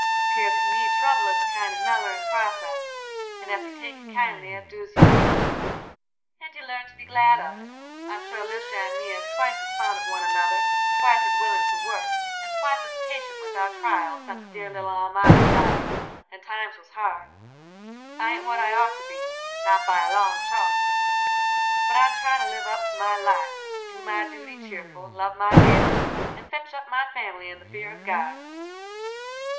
'Pears to me trouble is a kind of mellerin' process, and ef you take it kindly it doos you good, and you learn to be glad of it. I'm sure Lisha and me is twice as fond of one another, twice as willin' to work, and twice as patient with our trials sense dear little Almiry died, and times was hard. I ain't what I ought to be, not by a long chalk, but I try to live up to my light, do my duty cheerful, love my neighbors, and fetch up my family in the fear of God.